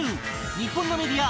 日本のメディア